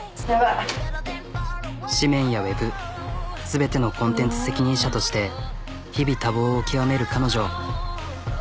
紙面やウェブ全てのコンテンツ責任者として日々多忙を極める彼女。